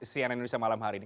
cnn indonesia malam hari ini